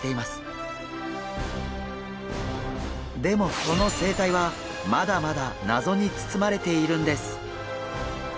でもその生態はまだまだ謎に包まれているんです。